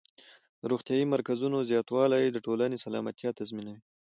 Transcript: د روغتیايي مرکزونو زیاتوالی د ټولنې سلامتیا تضمینوي.